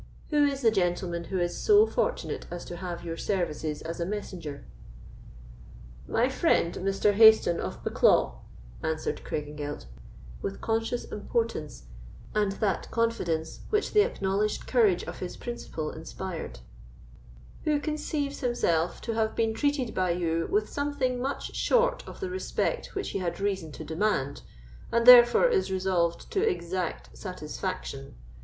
Who is the gentleman who is so fortunate as to have your services as a messenger?" "My friend, Mr. Hayston of Bucklaw," answered Craigengelt, with conscious importance, and that confidence which the acknowledged courage of his principal inspired, "who conceives himself to have been treated by you with something much short of the respect which he had reason to demand, and, therefore is resolved to exact satisfaction.